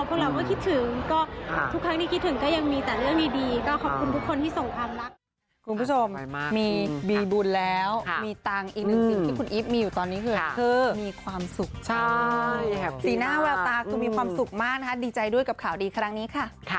พวกเราก็คิดถึงก็ทุกครั้งที่คิดถึงก็ยังมีแต่เรื่องดีก็ขอบคุณทุกคนที่ส่งความรักคุณผู้ชม